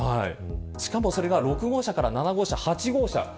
しかもそれが６号車から７号車、８号車。